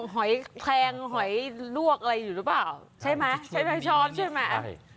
หอยแคลงหอยลวกอะไรอยู่หรือเปล่าใช่ไหมใช้ไม้ช้อนใช่ไหมใช่